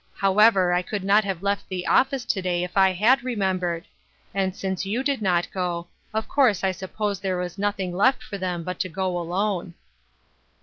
However, I could not have left the office to day if I had remembered ; and since you did not go, of course I suppose there was nothing left for them' but to go alone."